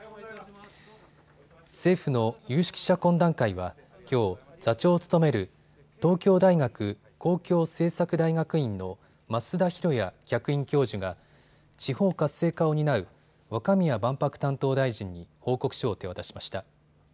政府の有識者懇談会はきょう、座長を務める東京大学公共政策大学院の増田寛也客員教授が地方活性化を担う若宮万博担当大臣に報告書を手渡しました。